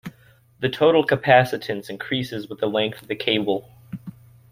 The total capacitance increases with the length of the cable.